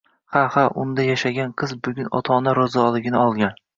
Ha-ha, unda yashagan qiz bugun ota-ona rizoligini olgan